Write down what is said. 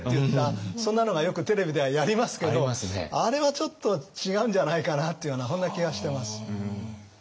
そんなのがよくテレビではやりますけどあれはちょっと違うんじゃないかなっていうようなそんな気がしてます。